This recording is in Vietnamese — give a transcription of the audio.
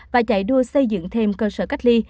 và chạy đua xây dựng thêm cơ sở cách ly